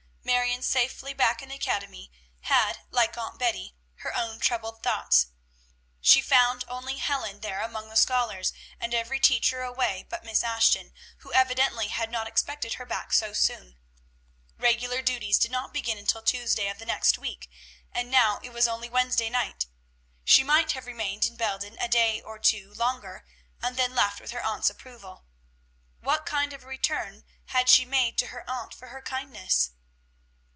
Marion, safely back in the academy, had, like Aunt Betty, her own troubled thoughts. She found only Helen there among the scholars, and every teacher away but Miss Ashton, who evidently had not expected her back so soon. Regular school duties did not begin until Tuesday of the next week, and now it was only Wednesday night. She might have remained in Belden a day or two longer, and then left with her aunt's approval. What kind of a return had she made to her aunt for her kindness?